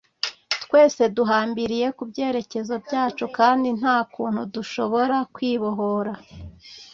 twese duhambiriye ku byerekezo byacu kandi nta kuntu dushobora kwibohora